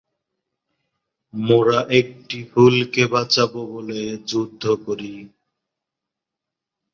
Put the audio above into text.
এই সময়ে তিনি "গ্রেট প্রোফাইল" নামে খ্যাত হন।